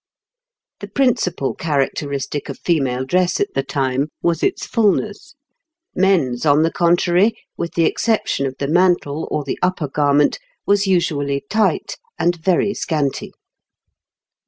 The principal characteristic of female dress at the time was its fulness; men's, on the contrary, with the exception of the mantle or the upper garment, was usually tight and very scanty.